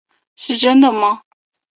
是真的吗？